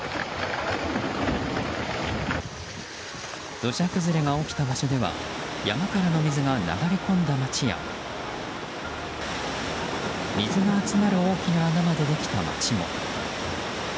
土砂崩れが起きた場所では山からの水が流れ込んだ町や水が集まる大きな穴までできた町が。